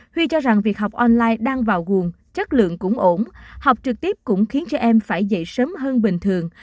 huy cho rằng việc học online đang vào nguồn chất lượng cũng ổn học trực tiếp cũng khiến cho em phải dậy sớm hơn bình thường